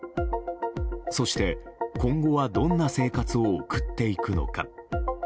そして、今後はどんな生活を送っていくのか。